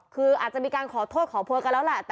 คืออาจจะมีการขอโทษขอโพยกันแล้วแหละ